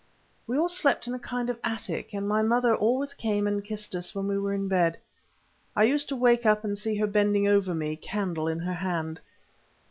We all slept in a kind of attic, and my mother always came and kissed us when we were in bed. I used to wake up and see her bending over me, a candle in her hand.